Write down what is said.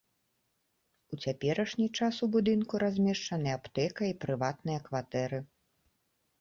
У цяперашні час у будынку размешчаны аптэка і прыватныя кватэры.